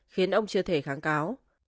khiến ông chưa thể kháng cáo